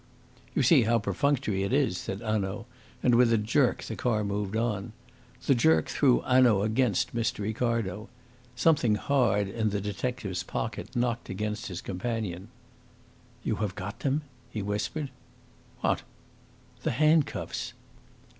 "You see how perfunctory it is," said Hanaud and with a jerk the car moved on. The jerk threw Hanaud against Mr. Ricardo. Something hard in the detective's pocket knocked against his companion. "You have got them?" he whispered. "What?" "The handcuffs."